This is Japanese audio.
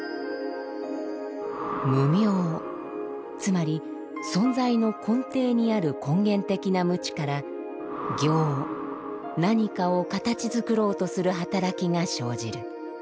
「無明」つまり存在の根底にある根源的な無知から「行」何かを形づくろうとする働きが生じる。